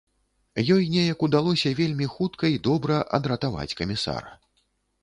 Ёй неяк удалося вельмі хутка і добра адратаваць камісара.